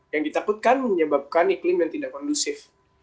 yang ditakutkan menyebabkan iklim yang tidak kondusif